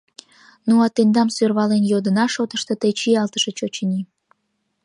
Ну, а «тендам сӧрвален йодына» шотышто тый чиялтышыч, очыни.